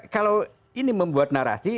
kalau ini membuat narasi